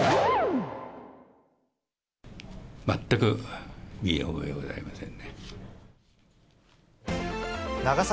全く身に覚えがございません